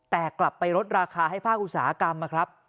แต่กลับไปลดราคาให้ภาคอุตสาหกรรมนะครับ